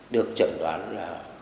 được chẩn đoán là